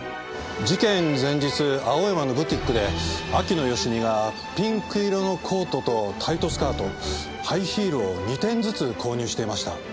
事件前日青山のブティックで秋野芳美がピンク色のコートとタイトスカートハイヒールを２点ずつ購入していました。